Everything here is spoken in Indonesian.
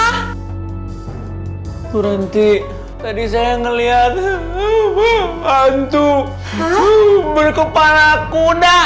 tuh nanti tadi saya ngelihat hantu berkepala kuda